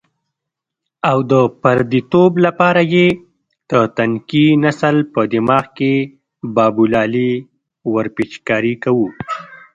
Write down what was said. او د پردیتوب لپاره یې د تنکي نسل په دماغ کې بابولالې ورپېچکاري کوو.